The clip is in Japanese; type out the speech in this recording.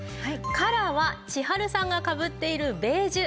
カラーは千春さんがかぶっているベージュ。